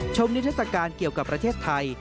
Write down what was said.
นิทัศกาลเกี่ยวกับประเทศไทย